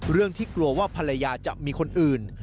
เรื่องที่กลัวว่าภรรยาจะมีคนอื่น